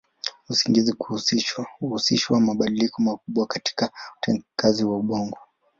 Usingizi huhusisha mabadiliko makubwa katika utendakazi wa ubongo.